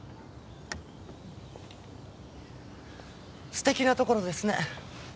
素敵なところですね。